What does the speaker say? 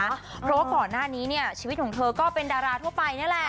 เพราะว่าก่อนหน้านี้เนี่ยชีวิตของเธอก็เป็นดาราทั่วไปนี่แหละ